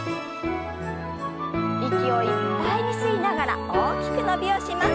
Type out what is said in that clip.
息をいっぱいに吸いながら大きく伸びをします。